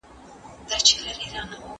کېدای سي مينه پټه وي؟